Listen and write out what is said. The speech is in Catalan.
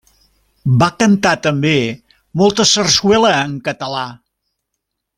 Va cantar també molta sarsuela en català.